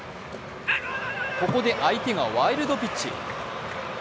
ここで相手がワイルドピッチ。